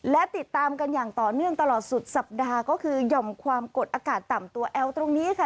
และติดตามกันอย่างต่อเนื่องตลอดสุดสัปดาห์ก็คือหย่อมความกดอากาศต่ำตัวแอลตรงนี้ค่ะ